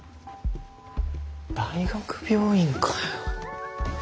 大学病院かよ。